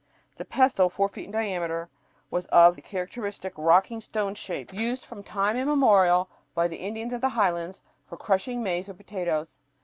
The pestle, four feet in diameter, was of the characteristic rocking stone shape used from time immemorial by the Indians of the highlands for crushing maize or potatoes.